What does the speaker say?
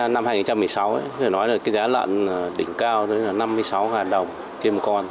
năm hai nghìn một mươi sáu giá lợn đỉnh cao năm mươi sáu đồng kia một con